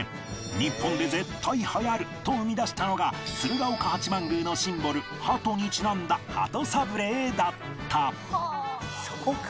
「日本で絶対流行る」と生み出したのが鶴岡八幡宮のシンボル鳩にちなんだ鳩サブレーだった